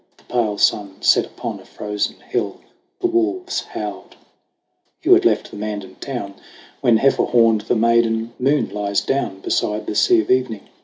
The pale sun set upon a frozen hell. The wolves howled. Hugh had left the Mandan town When, heifer horned, the maiden moon lies down Beside the sea of evening.